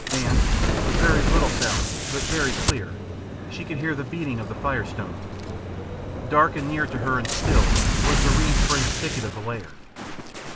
And a very little sound but very clear she could hear the beating of the firestone. Dark and near to her and still was the reed fringed thicket of the lair.